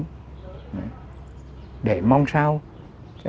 để mong sao đây là cái tỏ tấm lòng tôn kính của mình đối với bác hồ